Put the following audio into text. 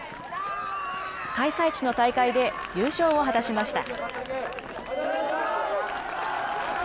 開催地の大会で優勝を果たしました。